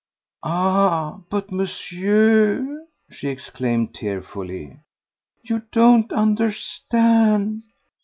.." "Ah! but, Monsieur," she exclaimed tearfully, "you don't understand.